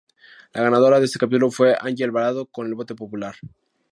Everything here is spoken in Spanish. La ganadora de este capítulo fue Angie Alvarado, con el voto popular.